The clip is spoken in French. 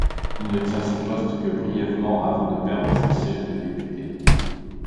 Il ne tient ce poste que brièvement, avant de perdre son siège de député.